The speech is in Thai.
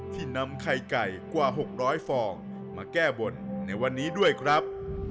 ที่นำไข่ไก่กว่า๖๐๐ฟองมาแก้บนในวันนี้ด้วยครับ